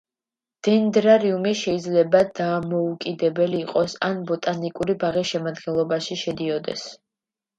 დენდრარიუმი შეიძლება დამოუკიდებელი იყოს ან ბოტანიკური ბაღის შემადგენლობაში შედიოდეს.